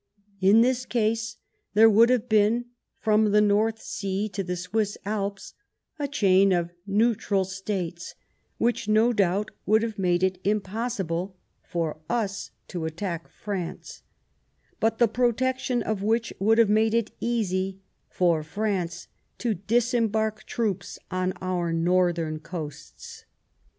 In this case there would have been, from the North Sea to the Swiss Alps, a chain of Neutral States which, no doubt, would have made it im possible for us to attack France, but the protection of which would have made it easy for France to disembark troops on our northern coasts.